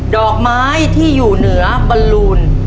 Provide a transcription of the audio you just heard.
ดอกไม้ที่อยู่เหนือบรรลูน